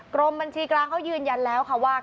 กรมบัญชีกลางเขายืนยันแล้วค่ะว่า